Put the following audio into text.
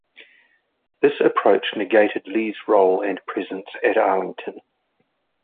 This approach negated Lee's role and presence at Arlington.